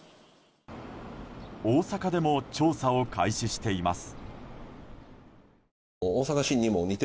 大阪でも調査を開始しています。